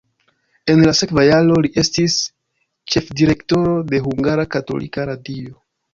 En la sekva jaro li estis ĉefdirektoro de Hungara Katolika Radio.